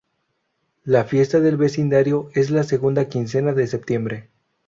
La fiesta del vecindario es la segunda quincena de Septiembre.